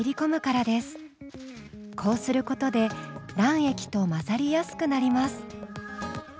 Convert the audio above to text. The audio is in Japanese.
こうすることで卵液と混ざりやすくなります。